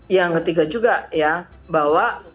yang ketiga juga ya bahwa